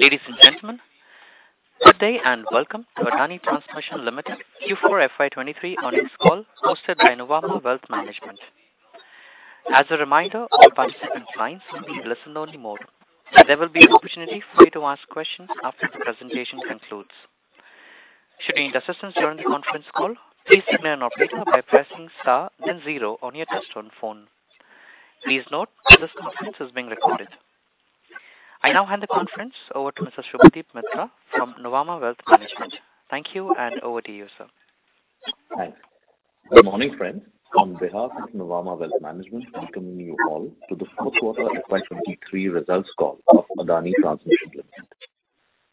Ladies and gentlemen, good day, welcome to Adani Transmission Limited Q4 FY23 earnings call, hosted by Nuvama Wealth Management. As a reminder, all participant lines will be listen only mode. There will be an opportunity for you to ask questions after the presentation concludes. Should you need assistance during the conference call, please email an operator by pressing star then zero on your touch-tone phone. Please note, this conference is being recorded. I now hand the conference over to Mr. Subhadip Mitra from Nuvama Wealth Management. Thank you, over to you, sir. Thanks. Good morning, friends. On behalf of Nuvama Wealth Management, welcoming you all to the fourth quarter FY23 results call of Adani Transmission Limited.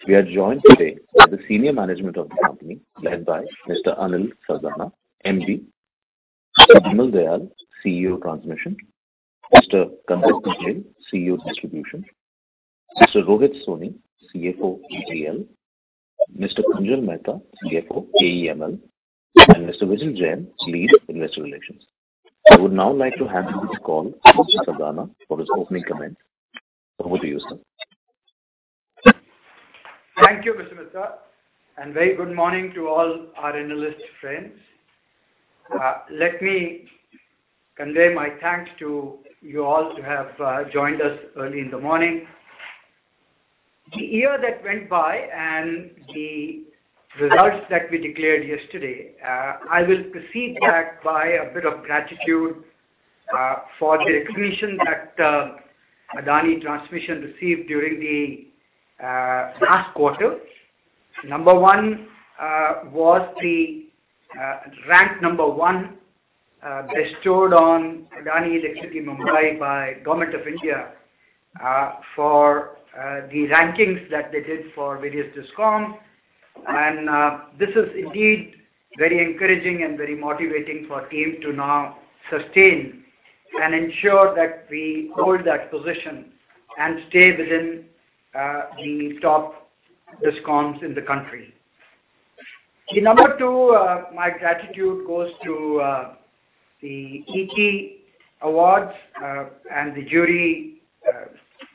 We are joined today by the senior management of the company, led by Mr. Anil Sardana, MD, Mr. Bimal Dayal, CEO, Transmission, Mr. Kandarp Patel, CEO, Distribution, Mr. Rohit Soni, CFO, ATL, Mr. Kunjal Mehta, CFO, AEML, and Mr. Vijil Jain, Lead, Investor Relations. I would now like to hand over the call to Mr. Sardana for his opening comments. Over to you, sir. Thank you, Mr. Mitra, very good morning to all our analyst friends. Let me convey my thanks to you all to have joined us early in the morning. The year that went by and the results that we declared yesterday, I will proceed back by a bit of gratitude for the recognition that Adani Transmission received during the last quarter. Number one was the rank number one bestowed on Adani Electricity Mumbai by Government of India for the rankings that they did for various DISCOM. This is indeed very encouraging and very motivating for our team to now sustain and ensure that we hold that position and stay within the top DISCOMs in the country. The number two, my gratitude goes to the ET Awards, and the jury,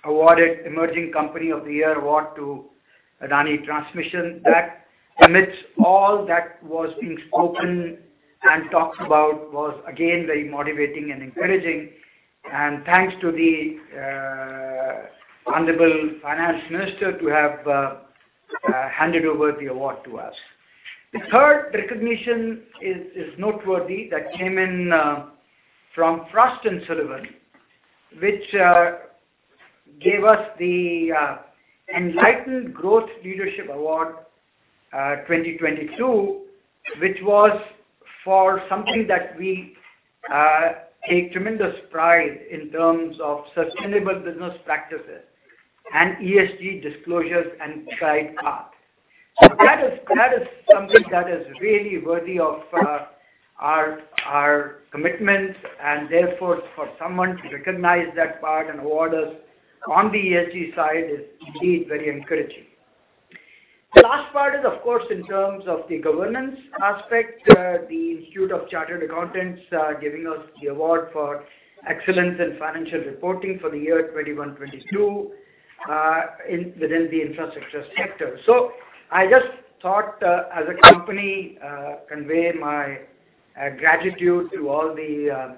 awarded Emerging Company of the Year Award to Adani Transmission. That amidst all that was being spoken and talked about, was again, very motivating and encouraging. Thanks to the Honorable Finance Minister to have handed over the award to us. The third recognition is noteworthy, that came in from Frost & Sullivan, which gave us the Enlightened Growth Leadership Award 2022, which was for something that we take tremendous pride in terms of sustainable business practices and ESG disclosures and tried path. That is something that is really worthy of our commitments, and therefore, for someone to recognize that part and award us on the ESG side is indeed very encouraging. Last part is, of course in terms of the governance aspect, the Institute of Chartered Accountants, giving us the award for Excellence in Financial Reporting for the year 2021-2022, within the infrastructure sector. I just thought, as a company, convey my gratitude to all the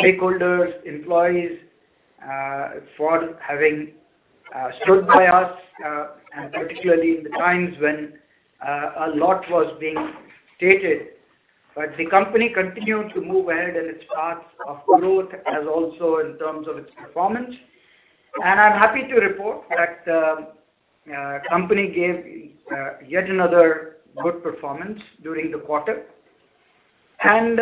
stakeholders, employees, for having stood by us, and particularly in the times when a lot was being stated. The company continued to move ahead in its path of growth, as also in terms of its performance. I'm happy to report that company gave yet another good performance during the quarter, and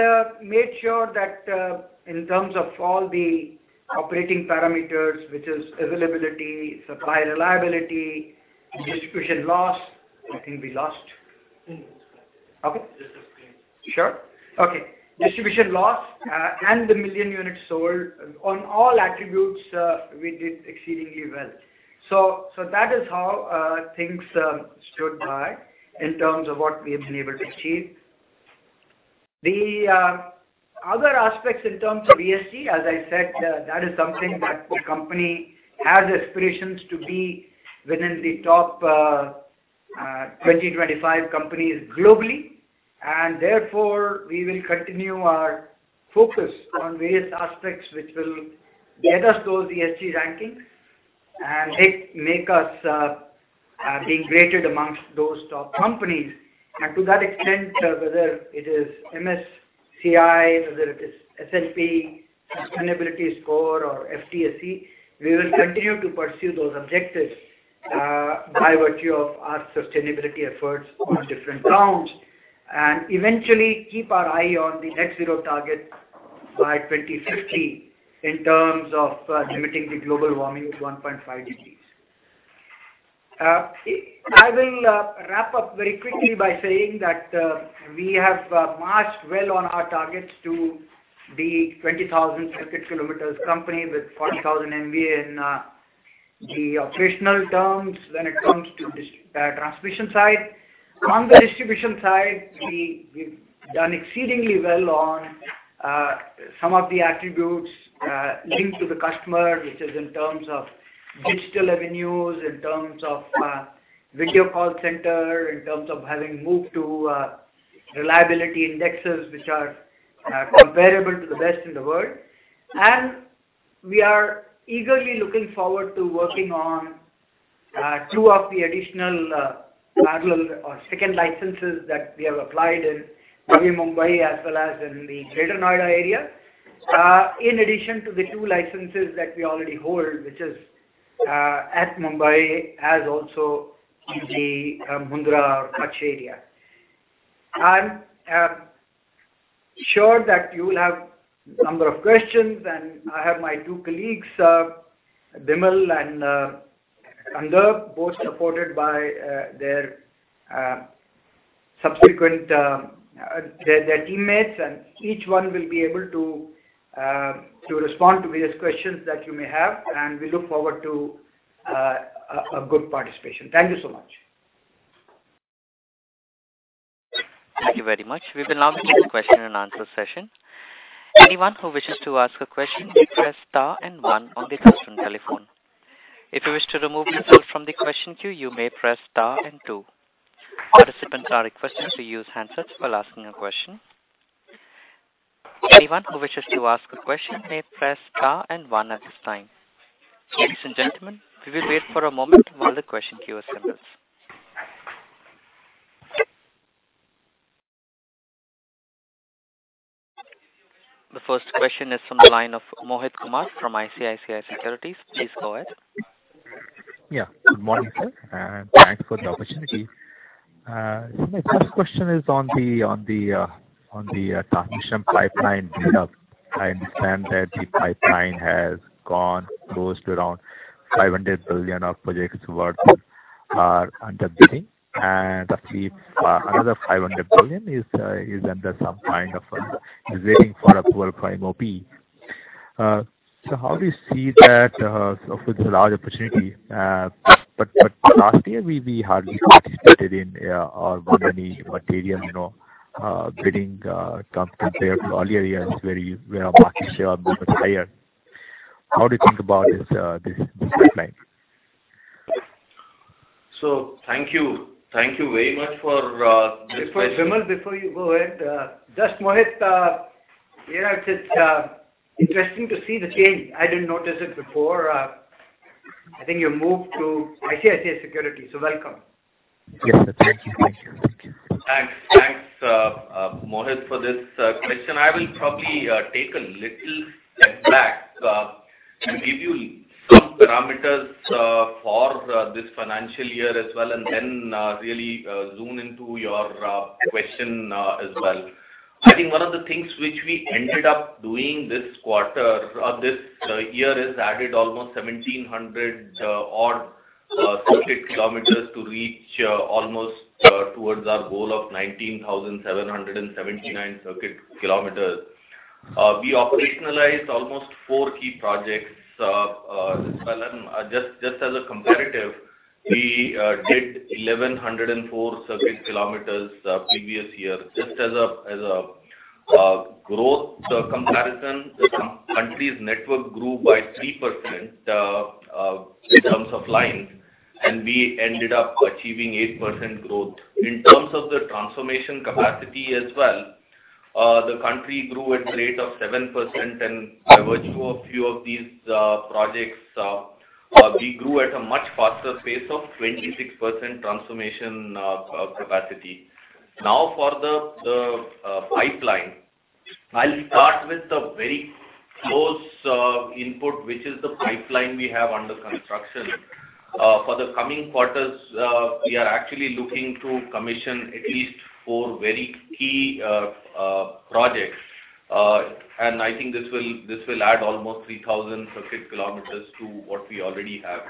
made sure that in terms of all the operating parameters, which is availability, supply reliability, distribution loss. I think we lost? Mm-hmm. Okay. Just a screen. Sure. Okay, distribution loss, and the million units sold. On all attributes, we did exceedingly well. That is how things stood by in terms of what we have been able to achieve. The, other aspects in terms of ESG, as I said, that is something that the company has aspirations to be within the top, 20-25 companies globally. Therefore, we will continue our focus on various aspects which will get us those ESG rankings, and make us being graded amongst those top companies. To that extent, whether it is MSCI, whether it is S&P Sustainability Score or FTSE, we will continue to pursue those objectives, by virtue of our sustainability efforts on different grounds, and eventually keep our eye on the net zero target by 2050, in terms of, limiting the global warming to 1.5 degrees. I will wrap up very quickly by saying that we have marched well on our targets to be 20,000 circuit kilometers company with 40,000 MVA in the operational terms when it comes to transmission side. On the distribution side, we've done exceedingly well on some of the attributes linked to the customer, which is in terms of digital revenues, in terms of video call center, in terms of having moved to reliability indexes, which are comparable to the best in the world. We are eagerly looking forward to working on two of the additional parallel or second licenses that we have applied in Mumbai as well as in the Greater Noida area. In addition to the two licenses that we already hold, which is at Mumbai, as also in the Mundra Kutch area. I'm sure that you will have a number of questions, and I have my two colleagues, Bimal and Angad, both supported by their subsequent, their teammates, and each one will be able to respond to various questions that you may have, and we look forward to a good participation. Thank you so much. Thank you very much. We will now begin the question and answer session. Anyone who wishes to ask a question, press star one on the customer telephone. If you wish to remove yourself from the question queue, you may press star two. Participants are requested to use handsets while asking a question. Anyone who wishes to ask a question may press star one at this time. Ladies and gentlemen, we will wait for a moment while the question queue assembles. The first question is from the line of Mohit Kumar from ICICI Securities. Please go ahead. Yeah. Good morning sir, and thanks for the opportunity. My first question is on the transmission pipeline build-up. I understand that the pipeline has gone close to around 500 billion of projects worth, are under bidding, and I see, another 500 billion is under some kind of, is waiting for approval for MOP. How do you see that, of course, it's a large opportunity, but last year we hardly participated in or won any material, you know, bidding, compared to earlier years, where our market share was higher. How do you think about this pipeline? Thank you. Thank you very much for this question. Before, Bimal, before you go ahead, just Mohit, you know, it's interesting to see the change. I didn't notice it before. I think you moved to ICICI Securities. Welcome. Yes. Thank you. Thank you. Thanks. Thanks, Mohit for this question. I will probably take a little step back and give you some parameters for this financial year as well, and then really zoom into your question as well. I think one of the things which we ended up doing this quarter, or this year, is added almost 1,700 odd circuit kilometers to reach almost towards our goal of 19,779 circuit kilometers. We operationalized almost four key projects well, and just as a comparative, we did 1,104 circuit kilometers the previous year. Just as a growth comparison, the country's network grew by 3% in terms of lines, and we ended up achieving 8% growth. In terms of the transformation capacity as well, the country grew at a rate of 7%, and by virtue of few of these projects, we grew at a much faster pace of 26% transformation capacity. Now for the pipeline, I'll start with the very close input, which is the pipeline we have under construction. For the coming quarters, we are actually looking to commission at least four very key projects. I think this will add almost 3,000 circuit kilometers to what we already have.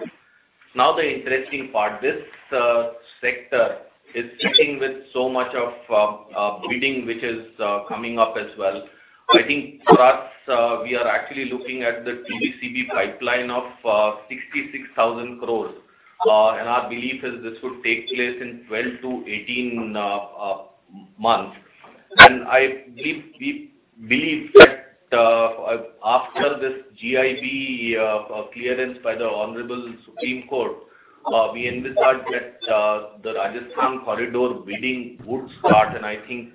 Now, the interesting part, this sector is sitting with so much of bidding, which is coming up as well. I think for us, we are actually looking at the TBCB pipeline of 66,000 crore. Our belief is this would take place in 12 to 18 months. We believe that after this GIB clearance by the Honorable Supreme Court, we envisage that the Rajasthan corridor bidding would start, and I think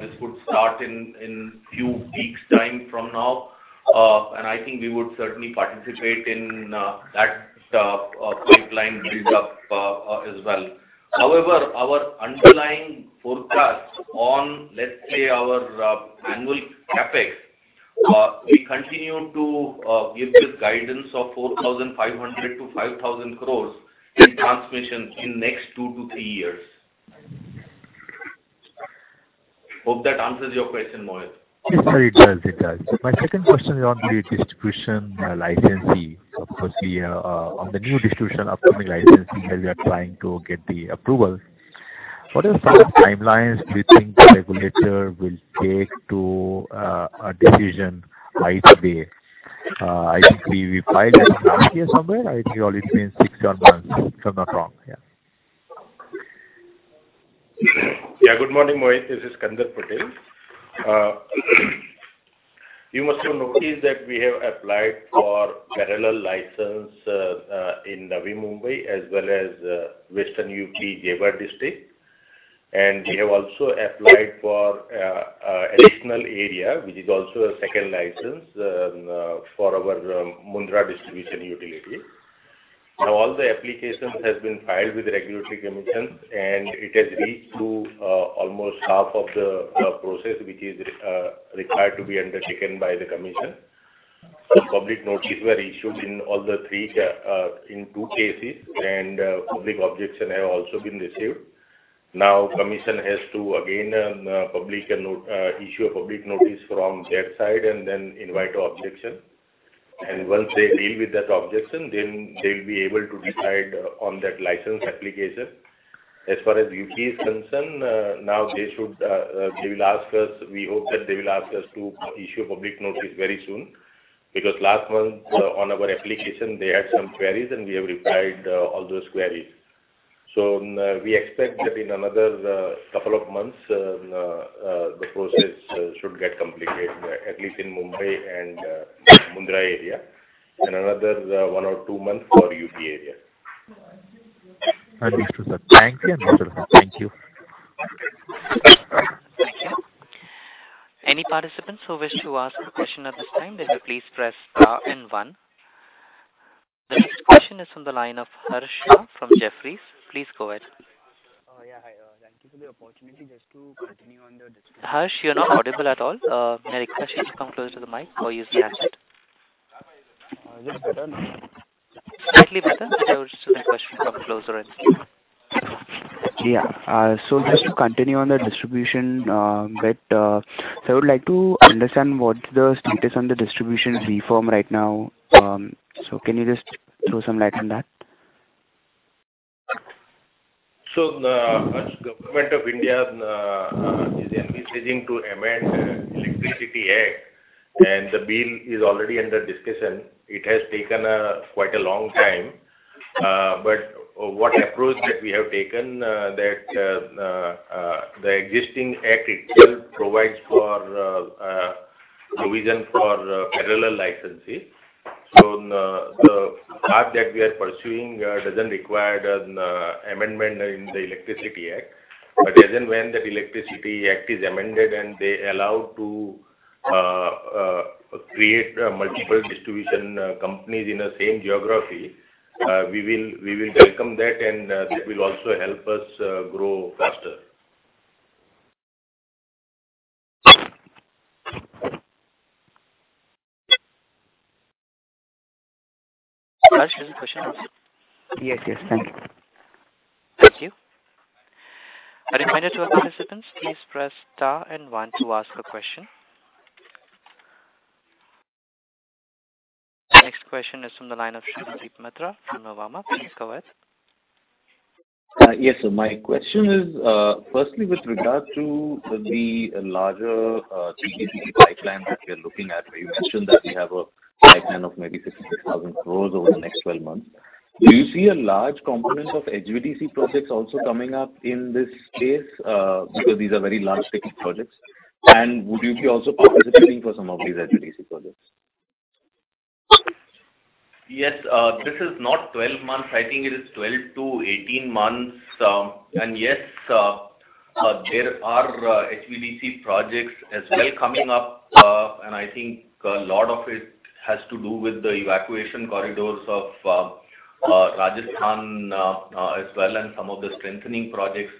this would start in few weeks' time from now. I think we would certainly participate in that pipeline build-up as well. However, our underlying forecast on, let's say, our annual CapEx, we continue to give this guidance of 4,500 crore-5,000 crore in transmission in next two to three years. Hope that answers your question, Mohit. Yes, sir, it does. My second question is on the distribution, licensee. Of course, the on the new distribution upcoming licensee, as you are trying to get the approval. What are the sort of timelines do you think the regulator will take to a decision either way? I think we filed last year somewhere. I think only between six or months, if I'm not wrong. Yeah. Yeah, good morning, Mohit. This is Kandarp Patel. You must have noticed that we have applied for parallel license in Navi Mumbai as well as Western UP, Jaipur district. We have also applied for additional area, which is also a second license for our Mundra distribution utility. All the applications has been filed with the Regulatory Commission, and it has reached to almost half of the process, which is required to be undertaken by the Commission. The public notice were issued in all the three in two cases, public objection have also been received. Commission has to again publish a public notice from their side then invite objection. Once they deal with that objection, then they'll be able to decide on that license application. As far as UP is concerned, now they should, they will ask us, we hope that they will ask us to issue a public notice very soon. Last month, on our application, they had some queries, and we have replied, all those queries. We expect that in another couple of months, the process should get completed, at least in Mumbai and Mundra area, and another one or two months for UP area. Understood, sir. Thank you. Thank you. Thank you. Any participants who wish to ask a question at this time, you please press star and one. The next question is from the line of Harsh from Jefferies. Please go ahead. Yeah. Hi, thank you for the opportunity. Just to continue on the distribution- Harsh, you're not audible at all. May I request you to come closer to the mic or use headset? Yeah. Is this better now? Slightly better. Yeah, I would still request you to come closer. Yeah. Just to continue on the distribution bit, I would like to understand what the status on the distribution reform right now. Can you just throw some light on that? The, as Government of India is envisaging to amend the Electricity Act, and the bill is already under discussion. It has taken quite a long time. What approach that we have taken that the existing act itself provides for a provision for parallel licenses. The, the path that we are pursuing doesn't require an amendment in the Electricity Act. As and when that Electricity Act is amended, and they allow to create multiple distribution companies in the same geography, we will, we will welcome that, and that will also help us grow faster. Harsh, is the question over? Yes, yes. Thank you. Thank you. A reminder to all participants, please press star and one to ask a question. The next question is from the line of Subhadip Mitra from Nuvama Wealth Management. Please go ahead. Yes, so my question is, firstly, with regard to the larger, TBCB pipeline that we are looking at, where you mentioned that we have a pipeline of maybe 66,000 crores over the next 12 months. Do you see a large component of HVDC projects also coming up in this space? Because these are very large-scale projects. Would you be also participating for some of these HVDC projects? Yes, this is not 12 months. I think it is 12-18 months. Yes, there are HVDC projects as well coming up, and I think a lot of it has to do with the evacuation corridors of Rajasthan as well, and some of the strengthening projects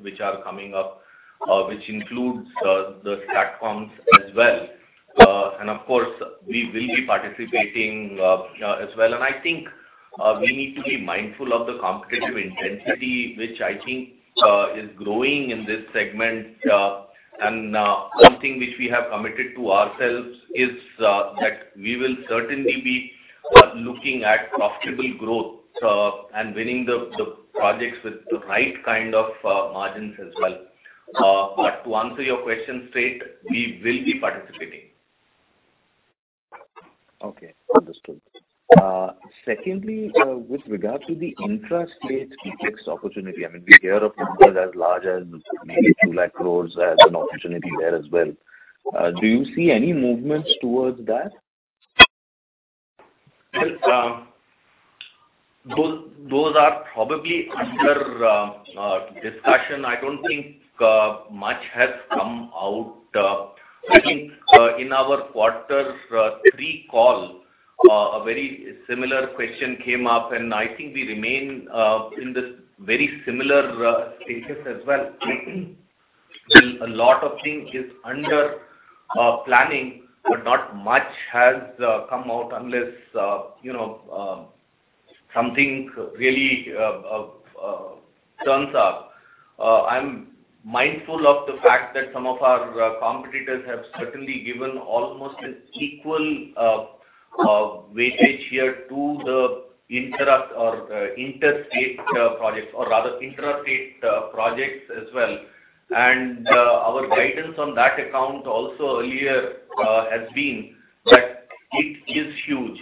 which are coming up, which includes the STATCOM as well. Of course, we will be participating as well. I think, we need to be mindful of the competitive intensity, which I think, is growing in this segment. One thing which we have committed to ourselves is that we will certainly be looking at profitable growth and winning the projects with the right kind of margins as well. To answer your question straight, we will be participating. Okay, understood. Secondly, with regard to the intrastate CPX opportunity, I mean, we hear of numbers as large as maybe 2 lakh crores as an opportunity there as well. Do you see any movements towards that? Well, those are probably under discussion. I don't think much has come out. I think in our quarter three call, a very similar question came up, and I think we remain in this very similar status as well. A lot of thing is under planning, but not much has come out unless, you know, something really turns up. I'm mindful of the fact that some of our competitors have certainly given almost an equal weightage here to the intra or interstate projects, or rather intrastate projects as well. Our guidance on that account also earlier has been that it is huge.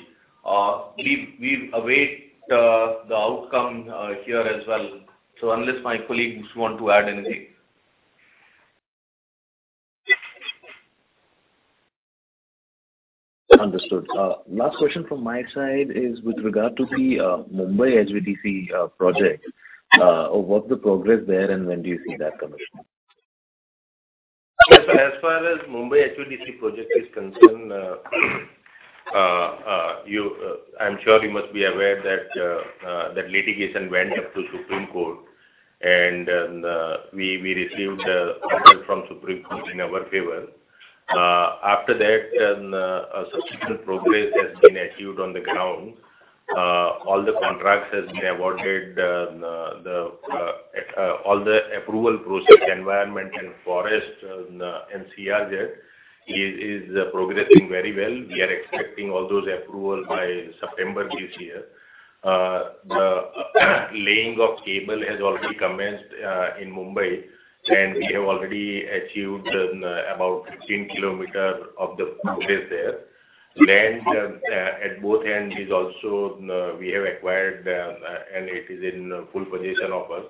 We await the outcome here as well. Unless my colleagues want to add anything? Understood. Last question from my side is with regard to the Mumbai HVDC project. What's the progress there, and when do you see that coming? As far as Mumbai HVDC project is concerned, I'm sure you must be aware that litigation went up to Supreme Court, and we received order from Supreme Court in our favor. After that, then a substantial progress has been achieved on the ground. All the contracts has been awarded, all the approval process, environment and forest, NCR there, is progressing very well. We are expecting all those approval by September this year. The laying of cable has already commenced in Mumbai, and we have already achieved about 15 kilometer of the route is there. Land at both ends is also we have acquired, and it is in full possession of us.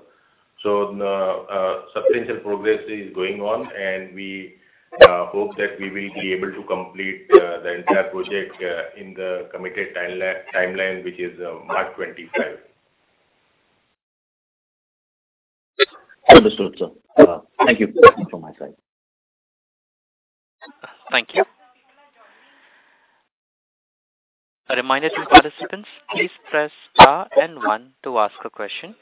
The substantial progress is going on, and we hope that we will be able to complete the entire project in the committed timeline, which is March 2025. Understood, sir. Thank you. That's it from my side. Thank you. A reminder to participants, please press star and one to ask a question.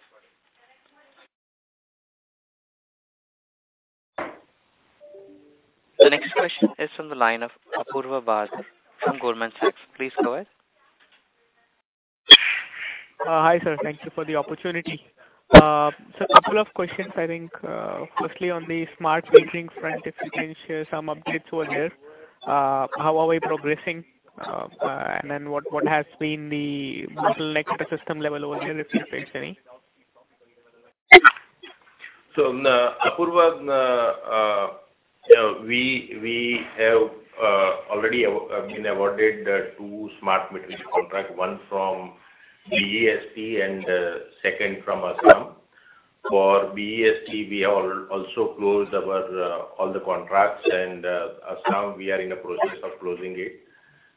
The next question is from the line of Apurva Barad from Goldman Sachs. Please go ahead. Hi, sir. Thank you for the opportunity. A couple of questions, I think, firstly on the smart metering front, if you can share some updates over here. How are we progressing? What has been the bottleneck at the system level over here, if you face any? Apurva, we have already been awarded two smart metering contract, one from BSES and second from Assam. For BSES, we have also closed our all the contracts, and Assam, we are in the process of closing it.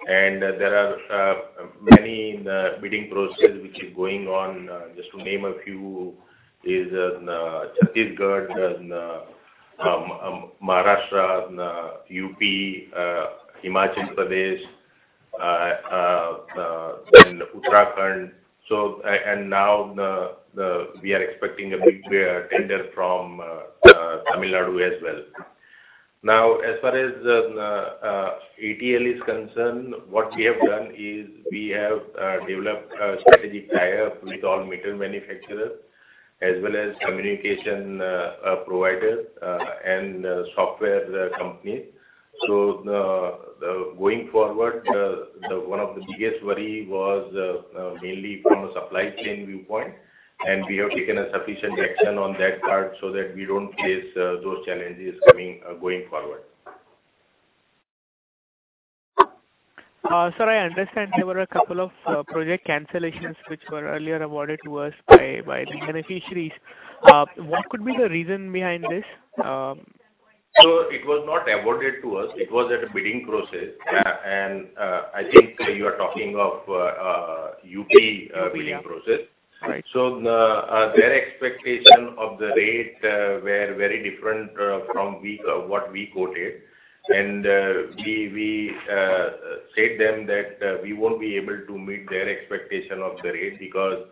There are many in the bidding process which is going on. Just to name a few is Chhattisgarh, and Maharashtra, and UP, Himachal Pradesh, and Uttarakhand. Now we are expecting a big tender from Tamil Nadu as well. As far as ATL is concerned, what we have done is we have developed a strategic tie-up with all meter manufacturers, as well as communication providers, and software companies. Going forward, one of the biggest worry was mainly from a supply chain viewpoint, and we have taken a sufficient action on that part so that we don't face those challenges coming going forward. Sir, I understand there were a couple of project cancellations which were earlier awarded to us by the beneficiaries. What could be the reason behind this? It was not awarded to us. It was at a bidding process. I think you are talking of UP bidding process. Right. Their expectation of the rate were very different from we what we quoted. We said them that we won't be able to meet their expectation of the rate because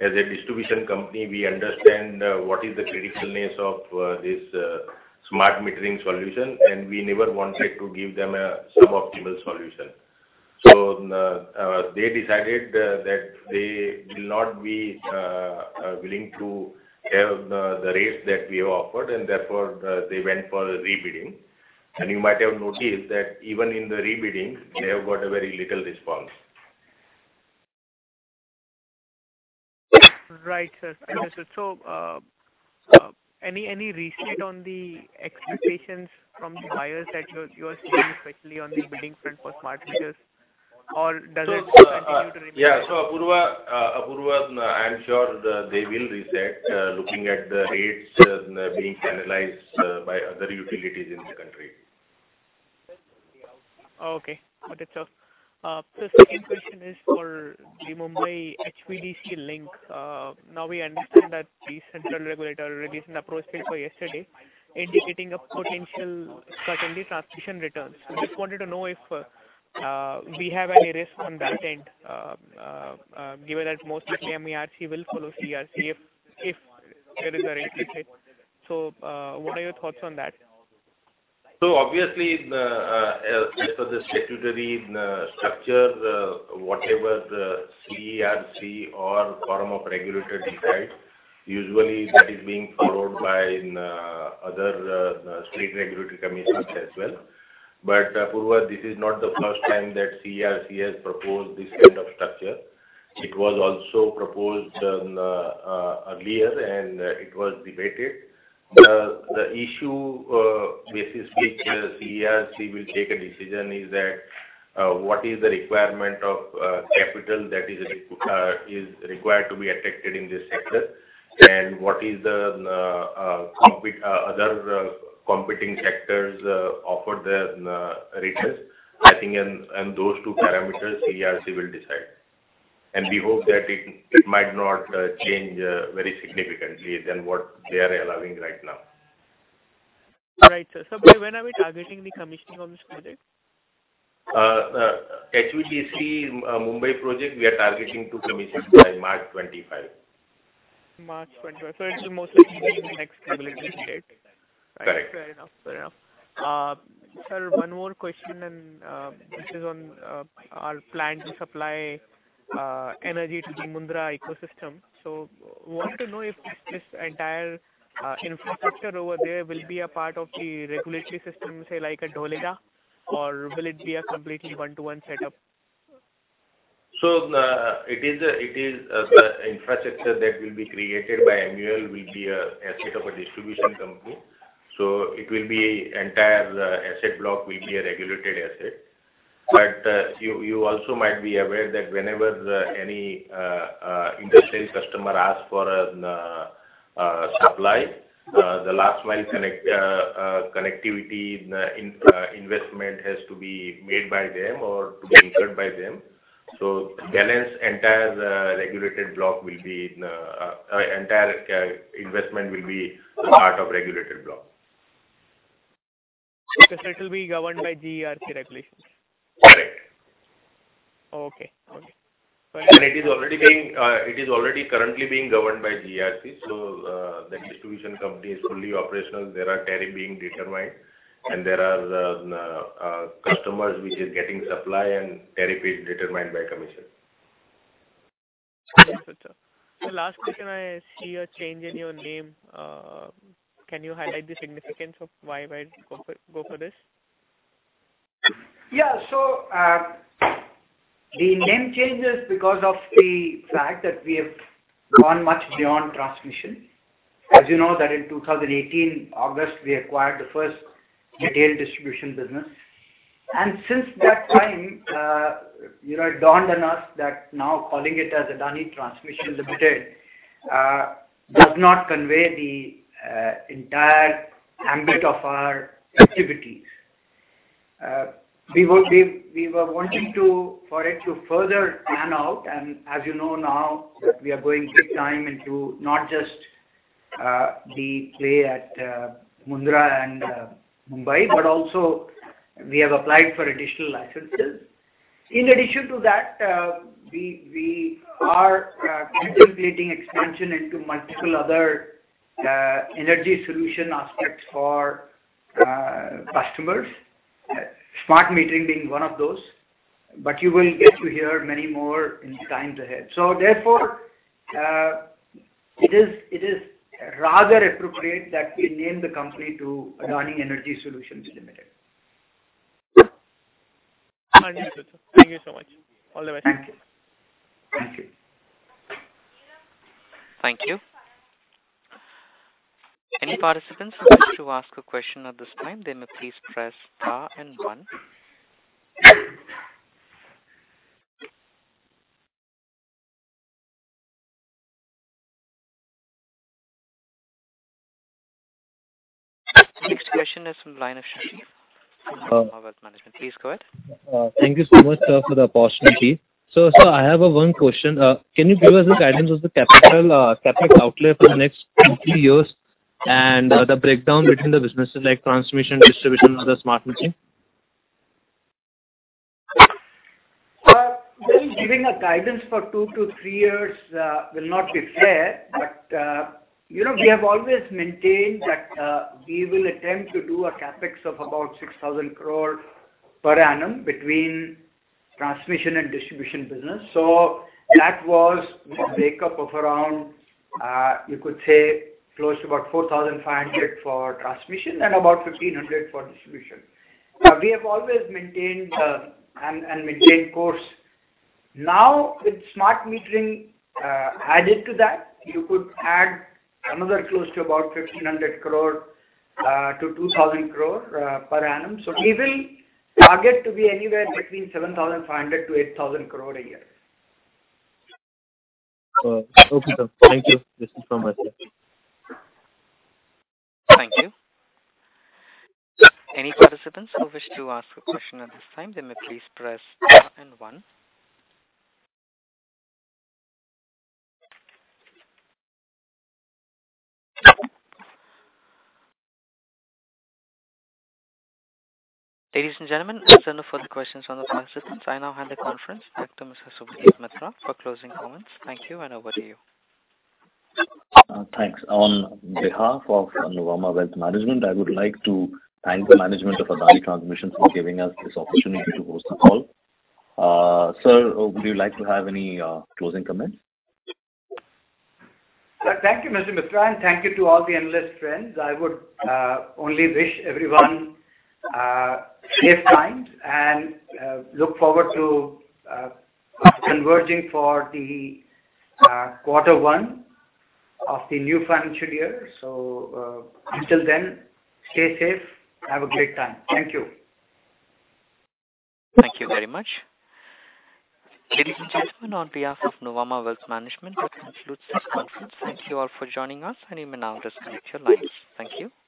as a distribution company, we understand what is the criticalness of this smart metering solution, and we never wanted to give them a suboptimal solution. They decided that they will not be willing to have the rates that we have offered, and therefore, they went for re-bidding. You might have noticed that even in the re-bidding, they have got a very little response. Right, sir. Understood. Any reset on the expectations from the buyers that you are seeing, especially on the bidding front for smart meters? Does it continue to remain? Yeah. Apurva, I'm sure they will reset looking at the rates being analyzed by other utilities in this country. Okay. Got it, sir. Sir, second question is for the Mumbai HVDC link. Now, we understand that the central regulator released an approach paper yesterday, indicating a potential cut in the transmission returns. I just wanted to know if we have any risk on that end, given that most likely MERC will follow CERC if there is a rate cut? What are your thoughts on that? Obviously, the as per the statutory structure, whatever the CERC or forum of regulator decides, usually that is being followed by other state regulatory commissions as well. Apurva, this is not the first time that CERC has proposed this kind of structure. It was also proposed on earlier, and it was debated. The issue, basically, the ERC will take a decision is that what is the requirement of capital that is required to be attracted in this sector? What is the other competing sectors offer the rates? I think in those two parameters, ERC will decide. We hope that it might not change very significantly than what they are allowing right now. Right, sir. When are we targeting the commissioning of this project? The HVDC Mumbai project, we are targeting to commission by March 2025. March 25. It's mostly in the next regulatory state. Correct. Fair enough. Fair enough. sir, one more question. This is on our plan to supply energy to the Mundra ecosystem. Want to know if this entire infrastructure over there will be a part of the regulatory system, say, like a Dholera, or will it be a completely one-to-one setup? It is infrastructure that will be created by MUL will be a asset of a distribution company. It will be entire asset block will be a regulated asset. You also might be aware that whenever any industrial customer asks for a supply, the last mile connect connectivity in investment has to be made by them or to be incurred by them. Balance entire regulated block will be entire investment will be part of regulated block. Okay, it will be governed by GERC regulations? Correct. Okay. Okay. It is already being, it is already currently being governed by GERC, so, the distribution company is fully operational. There are tariff being determined, and there are customers which is getting supply and tariff is determined by commission. Okay, sir. The last question, I see a change in your name. Can you highlight the significance of why go for this? Yeah, the name change is because of the fact that we have gone much beyond transmission. As you know that in 2018, August, we acquired the first retail distribution business. Since that time, you know, it dawned on us that now calling it as Adani Transmission Limited does not convey the entire ambit of our activities. We were wanting to, for it to further pan out, and as you know now, that we are going big time into not just the play at Mundra and Mumbai, but also we have applied for additional licenses. In addition to that, we are contemplating expansion into multiple other energy solution aspects for customers, smart metering being one of those, but you will get to hear many more in times ahead. Therefore, it is rather appropriate that we name the company to Adani Energy Solutions Limited. Understood, sir. Thank you so much. All the best. Thank you. Thank you. Any participants who wish to ask a question at this time, they may please press star and one. The next question is from Linus Shafi from Nuvama Wealth Management. Please go ahead. Thank you so much, sir, for the opportunity. Sir, I have a one question. Can you give us the guidance of the capital outlay for the next 2-3 years, and the breakdown between the businesses like transmission, distribution, and the smart metering? Giving a guidance for two to three years will not be fair, but, you know, we have always maintained that we will attempt to do a CapEx of about 6,000 crore per annum between transmission and distribution business. That was a breakup of around, you could say, close to about 4,500 crore for transmission and about 1,500 crore for distribution. We have always maintained and maintained course. With smart metering added to that, you could add another close to about 1,500 crore to 2,000 crore per annum. We will target to be anywhere between 7,500 crore to 8,000 crore a year. Okay, sir. Thank you. This is from myself. Thank you. Any participants who wish to ask a question at this time, they may please press star and one. Ladies and gentlemen, there are no further questions on the participants. I now hand the conference back to Mr. Subhadip Mitra for closing comments. Thank you, and over to you. Thanks. On behalf of Nuvama Wealth Management, I would like to thank the management of Adani Transmission for giving us this opportunity to host the call. Sir, would you like to have any closing comments? Thank you, Mr. Mitra, and thank you to all the analyst friends. I would only wish everyone safe times and look forward to converging for the quarter one of the new financial year. Until then, stay safe. Have a great time. Thank you. Thank you very much. Ladies and gentlemen, on behalf of Nuvama Wealth Management, this concludes this conference. Thank you all for joining us, and you may now disconnect your lines. Thank you.